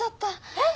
えっ？